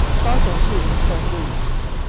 高雄市林森路